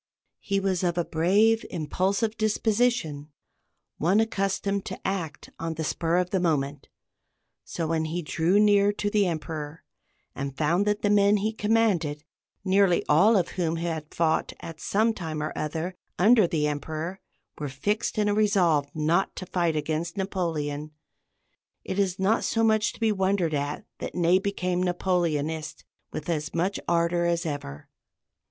He was of a brave, impulsive disposition, one accustomed to act on the spur of the moment; so, when he drew near to the Emperor, and found that the men he commanded, nearly all of whom had fought at some time or other under the Emperor, were fixed in a resolve not to fight against Napoleon, it is not so much to be wondered at that Ney became Napoleonist with as much ardor as ever.